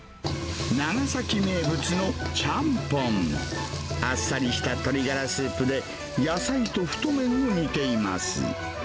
長崎名物のちゃんぽん。あっさりした鶏ガラスープで、野菜と太麺を煮ています。